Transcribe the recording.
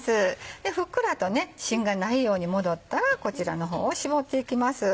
でふっくらとしんがないように戻ったらこちらの方を絞っていきます。